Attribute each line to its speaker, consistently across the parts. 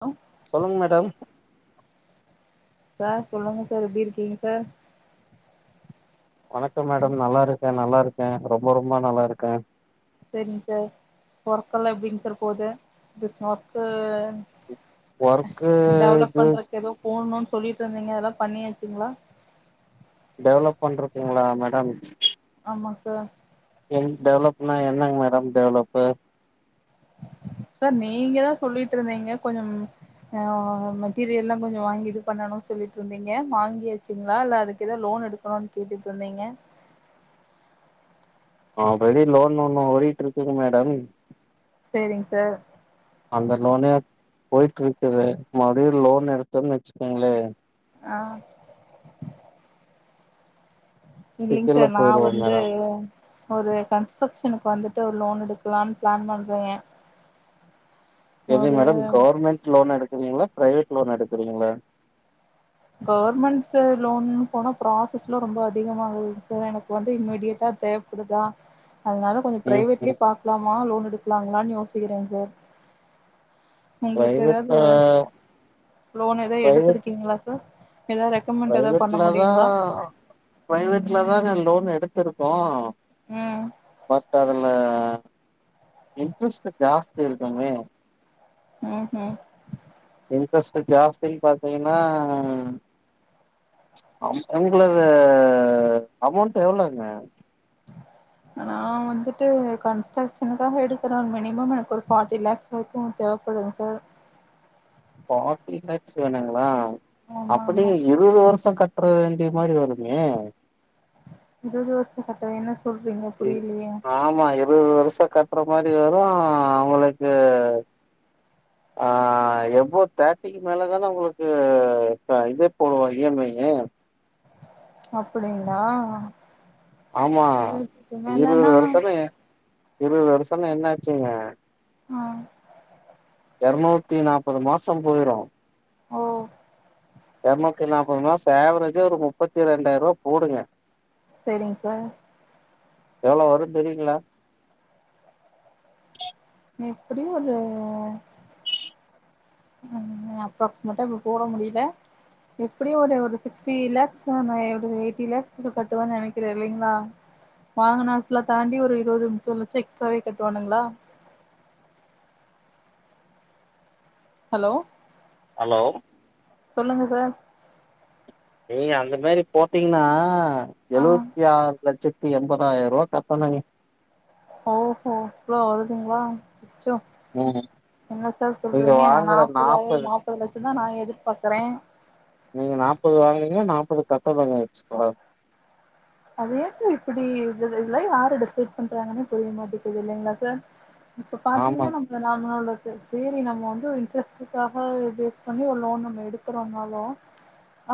Speaker 1: low
Speaker 2: சொல்லுங்க madam
Speaker 1: sir சொல்லுங்க sir எப்டி இருக்கீங்க சார்
Speaker 2: வணக்கம் மேடம் நல்லா இருக்கே நல்லா இருக்கே ரொம்ப ரொம்ப நல்லா இருக்கே
Speaker 1: செரிங்க சார் ஒர்க்கெல்லா எப்டிங் சார் போது இப்ப ஒர்க்கு
Speaker 2: ஒர்க்கு
Speaker 1: டெவலப்
Speaker 2: இது
Speaker 1: பண்றக்கு எதோ போணுன் சொல்லிட்ருந்தீங்க அதெல்லா பண்ணியாச்சுங்ளா
Speaker 2: டெவலப் பண்றக்குங்ளா மேடம்
Speaker 1: ஆமாங் சார்
Speaker 2: எங் டெவலப்னா என்னங்க மேடம் டெவலப்பு
Speaker 1: சார் நீங்க தா சொல்லிட்ருந்தீங்க கொஞ்சம் ஆ மெட்டீரியல்லா கொஞ்ச வாங்கி இது பண்ணணு சொல்லிட்ருந்தீங்க வாங்கியாச்சுங்களா இல்ல அதுக்க ஏதா லோன் எடு அப்பறோனு கேட்டுட்ருந்திங்க
Speaker 2: ஆப்படி லோன் ஒண்ணு ஓடிட்ருக்குங்க மேடம்
Speaker 1: சேரிங் சார்
Speaker 2: அந்த லோனே போயிட்ருக்கு மறுடியு லோன் எடுத்தம்னு வச்சுக்கோங்களே
Speaker 1: ஆ இல்லைங்
Speaker 2: சிக்கல்ல
Speaker 1: சார் நா
Speaker 2: போயிருவோ
Speaker 1: வந்து
Speaker 2: மேடம்
Speaker 1: ஒரு கன்ஸ்ட்ரக்ஷனுக்கு வந்துட்டு ஒரு லோன் எடுக்கலான் பிளான் பண்றே [inaudible]
Speaker 2: எது மேடம் கவர்மெண்ட் லோன் எடுக்குறீங்களா ப்ரைவேட் லோன் எடுக்குறீங்களா
Speaker 1: கவர்மெண்ட்டு லோன் போனா ப்ராசஸ்லா ரொம்ப அதிகமாகுதுங் சார் எனக்கு வந்து இம்மீடியட்டா தேவ அப்பிடிதா அதனால கொஞ்ச
Speaker 2: ம்
Speaker 1: ப்ரைவேட்லயே
Speaker 2: ம்
Speaker 1: பாக்கலாமா லோன் எடுக்கலாங்களான்னு யோசிக்கிறே சார் உங்களுக்கு
Speaker 2: பிரைவேட்ல
Speaker 1: எதாது லோன் எதா எடுத்துருக்கீங்களா சார் ஏதாவது ரெ
Speaker 2: ப்ரைவேட்ல தா ப்ரைவேட்லதாங்க லோன் எடுத்திருக்கோ
Speaker 1: ம்
Speaker 2: பஸ்ட்டு அதுல இன்ட்ரெஸ்ட்டு ஜாஸ்தி இருக்குமே
Speaker 1: ம் ம்
Speaker 2: இன்ட்ரெஸ்ட்டு ஜாஸ்தின்னு பாத்தீங்கன்னா அம் உங்களது அமௌண்ட் எவ்ளோங்க
Speaker 1: நா வந்துட்டு கன்ஸ்ட்ரக்ஷனுக்காக எடுக்கறே மினிமம் எனக்கு ஒரு ஃபார்ட்டி லாக்ஸ் வொர்கிங் தேவப்படுங் சார்
Speaker 2: ஃபாட்டி லாக்ஸ் வேணுங்களா
Speaker 1: ஆமா
Speaker 2: அப்படி
Speaker 1: ஆமா
Speaker 2: எப் இருவது வருஷோ கட்டுற வேண்டிய மாரி வருமே
Speaker 1: இருவது வருஷோ கட்ட வேண்ணா
Speaker 2: இ ஆமா இருவது வருஷோ கட்ற மாரி வெரு அவுங்களுக்கு ஆ எபோ தேட்டிக்கு மேல தான உங்களுக்கு இப்ப இதே போடுவான் இ எம் ஐ யே
Speaker 1: அப்படிங்களா
Speaker 2: ஆமா இருவது
Speaker 1: மேலனா
Speaker 2: வருஷன்னா இருவது வருஷன்னா என்னாச்சுங்க
Speaker 1: ஆ
Speaker 2: எறநூத்தி நாப்பது மாசம் போயிரு
Speaker 1: ஓ
Speaker 2: இரநூத்தி நாப்பது மாசோ ஆவ்ரேஜா ஒரு முப்பத்தி ரெண்டாயருவா போடுங்க
Speaker 1: சேரிங்க சார்
Speaker 2: எவ்ளோ வரு தெரியுங்களா
Speaker 1: எப்படியு ஒரு ம் ம் அப்ராக்சிமேட்டா இப்ப போட முடியல எப்படியு ஒரு ஒரு சிக்ஸ்டி லேக்ஸ் நா ஒரு எயிட்டி லேக்ஸ்கு கட்டுவேனு நெனைக்கிற இல்லைங்களா வாங்கன அசல தாண்டி ஒரு இருவது முப்பது லட்சோ எக்ஸ்ட்ராவே கட்டுவானுங்களா ஹலோ
Speaker 2: ஹலோ
Speaker 1: சொல்லுங்க சார்
Speaker 2: ஏய் அந்த மாரி போட்டீங்கன்னா
Speaker 1: ஆ
Speaker 2: எழுவத்தி ஆறு லட்சத் த்தி எம்பதாயருவா கட்டணுங்க
Speaker 1: ஓஹோ இவ்ளோ வருதுங்களா அச்சோ
Speaker 2: ம்
Speaker 1: என்ன சார்
Speaker 2: நீங்க
Speaker 1: சொல்றீங்க
Speaker 2: வாங்குற
Speaker 1: நாப்பதாயிர நாப்பது லட்சந்தா நா எதிர்பாக்குறே
Speaker 2: நீங்க நாப்பது வாங்கனீங்கன்னா நாப்பது கட்டணுங்க எக்ஸ்ட்ரா
Speaker 1: அத ஏ சார் இப்படி இது இதுலா யாரு டிசைட் பண்றாங்கன்னே புரிய மாட்டேக்குது இல்லைங்களா சார் இப்ப பாத்தீங்கன்னா
Speaker 2: ஆமாங்க
Speaker 1: நம் [unintelligible] சேரி நம்ம வந்து ஒரு இன்ட்ரெஸ்டுக்காக ஃபிக்ஸ் பண்ணி ஒரு லோன் நம்ம எடுக்குறோன்னாலு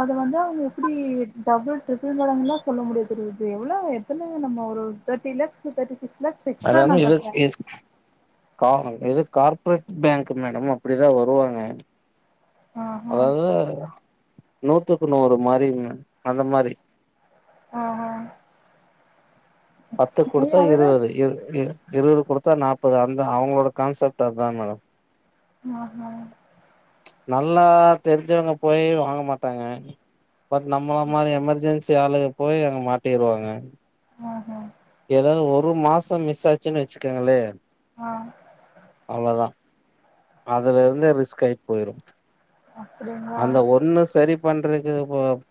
Speaker 1: அத வந்து அவுங்க எப்படி டபுள் ட்ரிபிள் மடங்கா சொல்ல முடியு இது எவ்ளோ எத்தன நம்ம ஒரு தேட்டி லேக்ஸ் தேட்டி சிக்ஸ் லக்ஸ் எக்ஸ்ட்டா நா கட்ற
Speaker 2: கார இது கார்ப்ரேட் பேங்க்கு மேடம் அப்டிதா வருவாங்க
Speaker 1: ஆஹா
Speaker 2: அதாவது நூத்துக்கு நூறு மாரிங்க அந்த மாரி
Speaker 1: ஆஹா
Speaker 2: பத்து
Speaker 1: ஏ
Speaker 2: குடுத்தா
Speaker 1: அதுதா
Speaker 2: இருவது இ இ இருவது குடுத்தா நாப்பது அந்த அவங்களோட கான்சப்ட் அதா மேடம்
Speaker 1: மா ஆ
Speaker 2: நல்லா தெரிஞ்சவங்க போய் வாங்க மாட்டாங்க பட் நம்மள மாரி எமெர்ஜென்ஸ் டியாளு போயி அங்க மாட்டிருவாங்க
Speaker 1: ஆஹா
Speaker 2: ஏதாது ஒரு மாசம் மிஸ் ஆச்சுன்னு வச்சுக்குங்களே
Speaker 1: ஆ
Speaker 2: அவ்ளதா அதுலருந்தே ரிஸ்க் ஆயி போயிரு
Speaker 1: அப்டிங்களா
Speaker 2: அந்த ஒண்ணு சரி பண்றக்கு போப்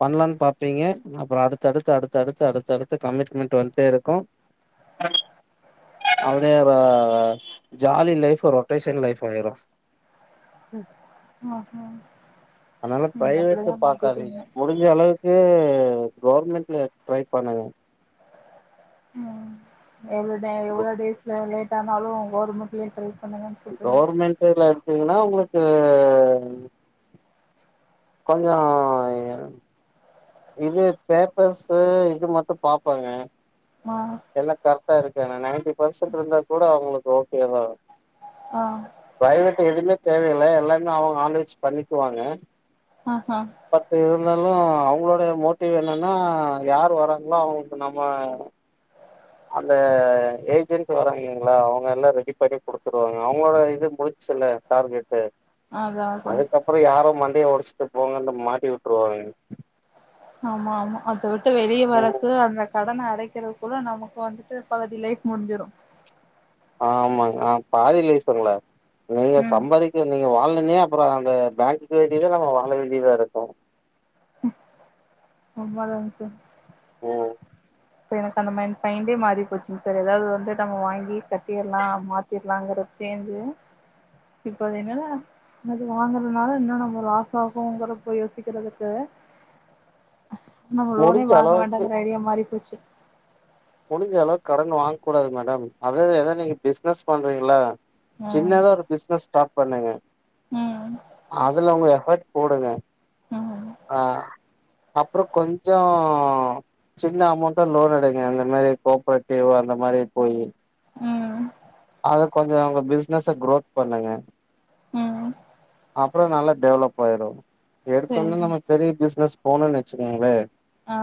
Speaker 2: பண்ணலான் பாப்பீங்க அப்ரோ அடுத்து அடுத்து அடுத்து அடுத்து அடுத்து அடுத்து கமிட்மெண்ட் டு்வெல்த்தேருக்கு அப்டியே ர ஜாலி லைஃப் ரொட்டேஷன் லைஃ ஆயிரு ம்
Speaker 1: ஆஹா
Speaker 2: அதனால
Speaker 1: நீங்க
Speaker 2: ப்ரைவேட்டு
Speaker 1: அப்டிதா
Speaker 2: பாக்காதீங்க
Speaker 1: மாட்டிட்டீங்க
Speaker 2: முடிஞ் முடிஞ்ச அளவுக்கு கவர்மெண்ட்ல ட்ரை பண்ணுங்க
Speaker 1: ம் எவ்ளோ டே எவ்ளோ டேஸ்ல லேட் ஆனாலு கவுர்மெண்ட்லயே ட்ரை பண்ணுங்கன்னு சொல்றீங்க
Speaker 2: கவுர்மெண்ட்டுல எடுத்தீங்கன்னா உங்களுக்கு கொஞ்சோ இது பேப்பர்ஸ்சு இது மட்டு பாப்பாய்ங்க
Speaker 1: மா
Speaker 2: எல்லா கரெக்டா இருக்கான நையண்டி பர்சென்ட் இருந்தா கூட அவங்களுக்கு ஓகே தா
Speaker 1: ஆ
Speaker 2: ப்ரைவ்வேட்டு எதுவுமே தேவையில்ல எல்லாமே அவங்க ஆள் வச்சு பண்ணிக்குவாங்க
Speaker 1: ஆஹா
Speaker 2: பத்து இருந்தாலு அவங்களோட மோட்டிவ் என்னன்னா யார் வறாங்களோ அவங்களுக்கு நம்ம அந்த ஏஜென்ட் வராங்களா அவங்க எல்லா ரெடி பண்ணி குடுத்துருவாங்க அவங்களோட இது முடிச் சில்ல டார்கெட்டு
Speaker 1: அதா அதா
Speaker 2: அப்பற யாரு மண்டய ஒடச்சுட்டு போங்கன்னு மாட்டி விட்ருவாங்க
Speaker 1: ஆமா ஆமா அத விட்டு வெளிய
Speaker 2: ம்
Speaker 1: வரக்கு அந்த கடன அடக்கிறக் குள்ள நமக்கு வந்துட்டு பகுதி லைஃப் முடிஞ்சிரு
Speaker 2: ஆமாங்க ஆ பாதி லைப்தானுகள நீங்க
Speaker 1: ம்
Speaker 2: சம்பாதிக்க நீங்க வாழனுனே அப்பற அந்த பேங்குக்கு வேண்டியதே நம்ம வாழ வேண்டியதா இருக்கு
Speaker 1: உண்மதாங்க சார்
Speaker 2: ஓ
Speaker 1: இப்ப எனக்கு அந்த மையின் மைண்டே மாறி போச்சிங்க சார் ஏதாவது வந்து நம்ம வாங்கி கட்டிர்லா மாத் திறலாங்கற சேஞ்சு இப்பது என்னனா அது வாங்குறதுனால இன்னு நம்ம லாஷ்சாகுங்றத போய் யோசிக்கிறதுக்கு நம்ம லோனே
Speaker 2: முடிஞ்ச
Speaker 1: வாங்க
Speaker 2: அளவுக்கு
Speaker 1: வேண்டாங்கிற ஐடியா மாறி போச்சு
Speaker 2: முடிஞ்ச அளவு கடன் வாங் கூடாது மேடம் அத எது ஏத நீங்க பிசினஸ் பண்றீங்கள
Speaker 1: ம்
Speaker 2: சின்னதா ஒரு பிசினஸ் ஸ்டார் பண்ணுங்க
Speaker 1: ம்
Speaker 2: அதுல உங்க எஃபர்ட் போடுங்க
Speaker 1: ம்
Speaker 2: ஆ அப்பற கொஞ்சோ சின்ன அமௌண்ட்டா லோன் எடுங்க அந்த அத மாரி கோப்ரட்டிவ் அந்த மாரி போயி
Speaker 1: ம்
Speaker 2: அத கொஞ்சோ உங்க பிசினஸ்ஸ குரோத் பண்ணுங்க
Speaker 1: ம்
Speaker 2: அப்பற நல்லா டெவலப் ஆயிரு எடுத்தொட்ன
Speaker 1: சரிங்க
Speaker 2: நம்ம பெரிய பிசினஸ் போணனு வச்சுக்கோங்களே
Speaker 1: ஆ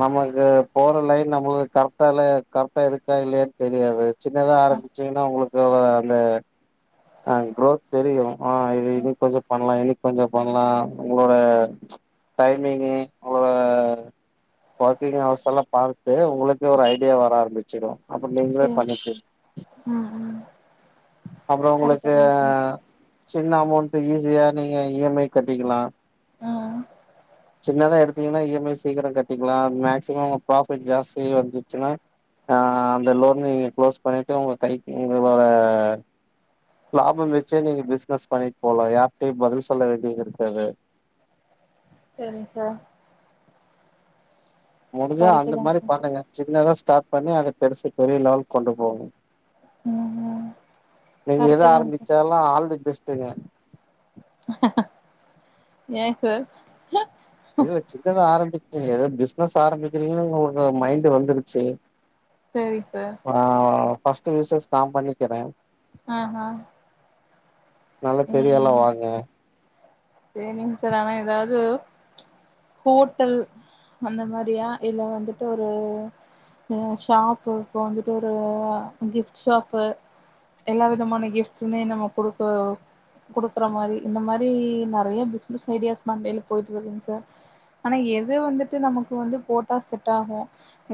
Speaker 2: நமக்கு போற லைன் நம்மளுக்கு கரெக்டால கரெக்டா இருக்கா இல்லயானு தெரியாது சின்னதா
Speaker 1: ஆ
Speaker 2: ஆரம்பிச்சிங்ன்னா உங்களுக்கு அந்த ஆ க்ரோத் தெரியு ஆ இது
Speaker 1: ம்
Speaker 2: இனி கொஞ்சோ பண்ணலா இனி கொஞ்சோ பண்ணலா உங்களோட டைமிங்கு அவ்ளோ ஒர்கிங் ஹவர்ஸ் எல்லா பாத்து உங்களுக்கே ஒரு
Speaker 1: ம்
Speaker 2: ஐடியா வர ஆரம்பிச்சிடு அப்பற நீங்களே பண்ணிகு
Speaker 1: அ ஆ
Speaker 2: அப்பற உங்களுக்கு ஆ சின்ன அமௌண்டு ஈஸியா நீங்க இ எம் ஐ கட்டிகிலா
Speaker 1: [inaudible]
Speaker 2: சின்னதா எடுத்தீங்கன்னா இ எம் ஐ சீக்கிர கட்டிக்கலா மேக்சிமம் ப்ராஃபிட் ஜாஸ்தி வந்துச்சுன்னா ஆ அந்த லோனு நீங்க குளோஸ் பண்ணிட்டு உங்க கைகு உங்களோட லாபம் வச்சே நீங்க பிசினஸ் பண்ணிட்டு போலா யார்ட்டயு பதில் சொல்ல வேண்டி இருக்காது
Speaker 1: செரிங் சார்
Speaker 2: முடிஞ்சா
Speaker 1: கரெக்ட்
Speaker 2: அந்த மாரி
Speaker 1: தான்க்கா
Speaker 2: பண்ணுங்க சின்னதா ஸ்டார்ட் பண்ணி அத பெருசு பெரிய லெவல்கு கொண்டு போங்க
Speaker 1: ம் ம்
Speaker 2: நீங்க எத
Speaker 1: கரெக்ட் தான்க்கா
Speaker 2: ஆரம்பிச்சாலு ஆல் த பெஸ்ட்டுங்க
Speaker 1: ஏக்கு
Speaker 2: ஏதோ சின்னதா ஆரம்பிச்சு ஏதோ பிசனஸ் ஆரம்பிக்கிரிங்கணு ஒரு மைண்டு வந்துருச்சு
Speaker 1: செரி சார்
Speaker 2: ஆ ஃபர்ஸ்ட்டு விசஸ் நா பண்ணிக்கிறே
Speaker 1: ஆஹா
Speaker 2: நல்லா பெரியாலா வாங்க
Speaker 1: சேரிங் சார் ஆனா எதாது ஹோட்டல் அந்த மாரியா இல்ல வந்துட்டு ஒரு ம் ஷாப்பு இப்போ வந்துட்டு ஒரு கிஃப்ட் ஷாப்பு எல்லா விதமான கிஃப்ட்ஸுமே நம்ம குடுக்க குடுக்குற மாரி இந்த மாரி நெறைய பிஸ்னஸ் ஐடியாஸ் மண்டைல போயிட்ருக்குங்க சார் ஆனா எது வந்துட்டு நமக்கு வந்து போட்டா செட்டாகு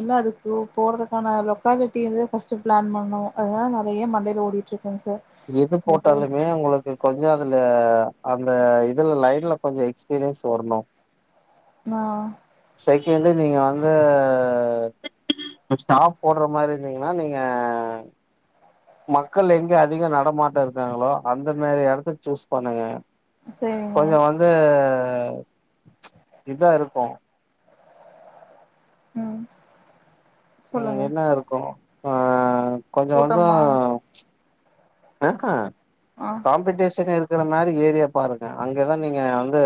Speaker 1: எல்லா அதுக்கு போட்றதுக்கான லொக்காலிட்டி வந்து ஃபஸ்ட்டு பிளான் பண்ணோ அதனால நெறைய மண்டையில ஓடி ட்ருக்குங்கு சார்
Speaker 2: எது
Speaker 1: அது
Speaker 2: போட்டாலுமே உங்களுக்கு கொஞ்ச அதுல அந்த இதுல லைன்ல கொஞ்ச எக்ஸ்பீரியன்ஸ் வரணு
Speaker 1: ஆ
Speaker 2: செகண்டு நீங்க வந்து ஸ்டாப் போட்ற மாரி இருந்தீங்கனா நீங்க மக்கள் எங்க அதிகோ நடமாட்டோ இருக்காங்களோ அந்த மாரி எடத்த சூஸ் பண்ணுங்க
Speaker 1: சேரிங்க
Speaker 2: கொஞ்சோ வந்து இதா இருக்கு
Speaker 1: ம்
Speaker 2: ம்
Speaker 1: சொல்லுங்க
Speaker 2: என்னா இருக்கு ஆ கொஞ்சோ கொஞ்சோ
Speaker 1: கூட்டமா
Speaker 2: ஏக்கா
Speaker 1: ஆ
Speaker 2: காம்பட்டீஷன் இருக்குற மாரி ஏரியா பாருங்க அங்கதா நீங்க வந்து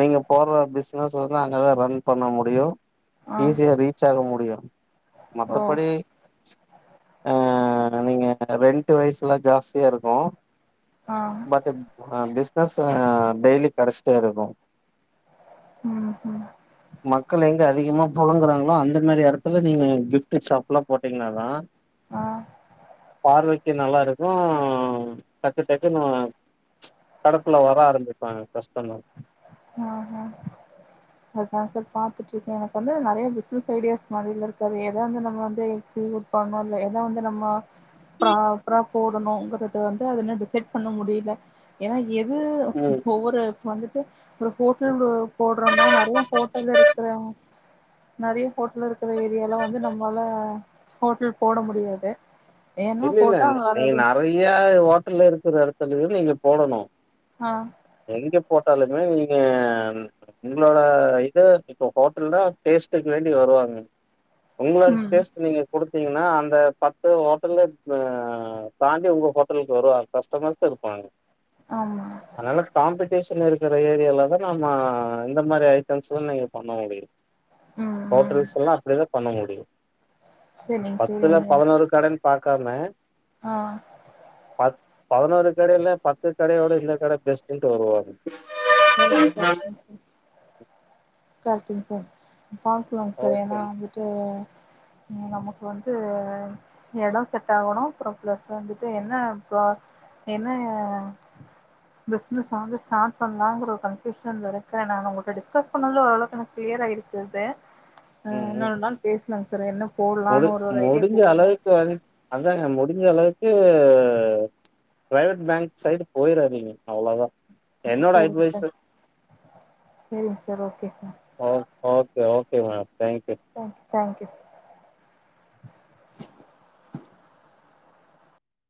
Speaker 2: நீங்க போட்ற பிசினஸ் வந்து அங்கதா ரன் பண்ண முடியு
Speaker 1: ஆ
Speaker 2: ஈஸியா ரீச் ஆக முடியு
Speaker 1: ஓ
Speaker 2: மத்தபடி அ நீங்க ரெண்ட்டு வயசுலா ஜாஸ்தியா இருக்கோ
Speaker 1: ஆ
Speaker 2: பட்டு பிசினஸ் அ டெய்லியு கெடச்சுட்டே இருக்கோ
Speaker 1: ம்ஹு
Speaker 2: மக்கள் எங்க அதிகமா பொழங்குறாங்களோ அந்த மாரி எடத்துல நீங்க கிஃப்டு ஷாப்புலா போட்டீங்கனாதா
Speaker 1: ஆ
Speaker 2: பார்வைக்கு நல்லா இருக்கோ டக்கு டக்குனு கடுப்புள வர ஆரம்பிப்பாங்க கஷ்டமர்
Speaker 1: ஆ ஹா அதா சார் பாத்துட்ருக்க எனக்கு வந்து நறைய பிசினஸ் ஐடியாஸ் மாரிலா இருக்காது எதாந்து நம்ம வந்து ஃப்ரீ உட் பண்ணோல எதா வந்து நம்மோ ப்ராப்ரா போடணுங்கறத வந்து அது இன்னோ டிசைட் பண்ண முடியுல ஏன்னா எது
Speaker 2: ம்
Speaker 1: ஒவ்வோரு வந்துட்டு ஒரு ஹோட்டல் போடுறோனா நறைய ஹோட்டல் இருக்குறங் நறைய ஹோட்டல் இருக்குற ஏரியால வந்து நம்மால ஹோட்டல் போட முடியாது ஏன்னா
Speaker 2: இல்ல இல்ல
Speaker 1: போட்டா அங்க ஆல்ரெடி
Speaker 2: நீங்க நறைய ஹோட்டல்ல இருக்குற எடத்துலயு நீங்க போடனோ
Speaker 1: ஆ
Speaker 2: எங்க போட்டாலுமே நீங்க எங்களோட இத இப்போ ஹோட்டல்னா டேஸ்ட்டுக்கு வேண்டி வருவாங்க உங்களோட
Speaker 1: ம்
Speaker 2: டேஸ்ட் நீங்க குடுத்தீங்கன்னா அந்த பத்து ஹோட் டல அ தாண்டி உங்க ஹோட்டலுக்கு வருவாங்க கஸ்டமர்ஸு இருப்பாங்க
Speaker 1: ஆமாங்க
Speaker 2: அதனால காம்படிஷன் இருக்குற ஏரியால தா நம்மா இந்த மாரி ஐட்டம்ஸ்லா நீங்க பண்ண முடியு
Speaker 1: ம் ம்
Speaker 2: ஹோட்டல்ஸ்லா அப்புடிதா பண்ண முடியு
Speaker 1: செரிங்க
Speaker 2: பத்துல
Speaker 1: செரிங்க
Speaker 2: பதனோரு கடன் பாக்காம
Speaker 1: ஆ
Speaker 2: பத் பதனோரு கடயுல பத்து கடையோட இந்த கட பெஸ்ட்டுன்டு வருவாங்க
Speaker 1: சரிங்க சரிங்க சார் கரக்ட்டுங்க சார் பாக்கலாங்க சார்
Speaker 2: ஓகே
Speaker 1: ஏன்னா வந்துட்டு நமக்கு வந்து எடோ செட் ஆகோணோ அப்புறோ பிளஸு வந்துட்டு என்ன ப என்ன பிஸ்னஸ் வந்து ஸ்டார்ட் பண்லாங் ஷோ கன்ஃபூஷயன்ல இருக்கே நாங்க உங்ககிட்ட டிஸ்கஸ் பண்ணதுல ஓரளவுக்கு கிளியரா இருக்குது ஆ
Speaker 2: ம் ம்
Speaker 1: இன்னோரு நாள் பேசலாங்க சார் என்ன
Speaker 2: முடி
Speaker 1: போடலாம்னு ஒரு ஒரு ஐடியா
Speaker 2: முடிஞ்ச
Speaker 1: குடுங்க
Speaker 2: [unintelligible] அதாங்க முடிஞ்ச அளவுக்கு ப்ரைவேட் பேங்க் சைடு போயிறாதீங்க அவ்ளோதா என்னோட
Speaker 1: சரிங்க சார்
Speaker 2: அட்வைஸு
Speaker 1: சரிங்க சார் ஓகே சார்
Speaker 2: ஓ okay okay madam thank you
Speaker 1: thank thank you sir